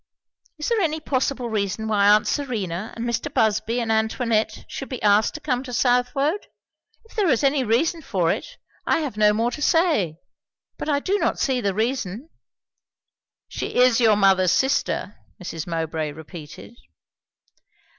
"Is there any possible reason why aunt Serena, and Mr. Busby and Antoinette, should be asked to come to Southwode? If there is any reason for it, I have no more to say; but I do not see the reason." "She is your mother's sister " Mrs. Mowbray repeated.